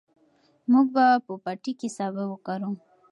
موږ به په پټي کې سابه وکرو.